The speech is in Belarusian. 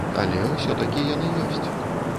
Але ўсё-такі яны ёсць.